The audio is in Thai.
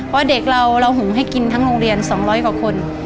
เพราะเด็กเราเราหุงให้กินทั้งโรงเรียน๒๐๐กว่าคน